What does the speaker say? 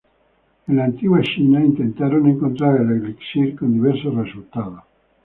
En la antigua China, intentaron encontrar el elixir con diversos resultados.